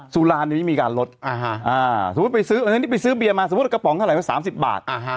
สุรานี่มีการลดอันนี้ไปซื้อเบียนมาสมมุติกระป๋องเท่าไหร่วะ๓๐บาท